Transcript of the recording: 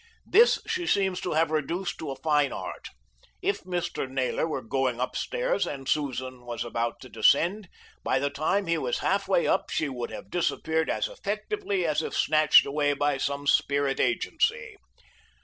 This she seemed to have reduced to a fine art. If Mr. Naylor were going upstairs and Susan was about to descend, by the time he was halfway up she would have disappeared as effectively as if snatched away by some spirit agency.